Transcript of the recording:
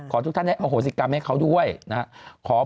ทุกท่านให้อโหสิกรรมให้เขาด้วยนะครับ